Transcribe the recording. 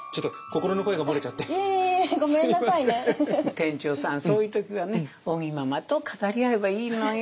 店長さんそういう時はね尾木ママと語り合えばいいのよ